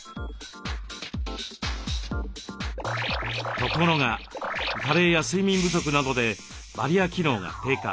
ところが加齢や睡眠不足などでバリア機能が低下。